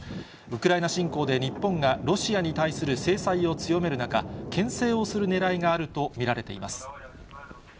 ウクライナ侵攻で、日本がロシアに対する制裁を強める中、けん制をするねらいがあると見られています。